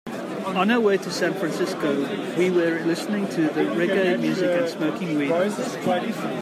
On our way to San Francisco, we were listening to reggae music and smoking weed.